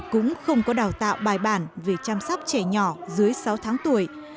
cũng không có đào tạo bài bản về chăm sóc trẻ nhỏ dưới sáu tháng tuổi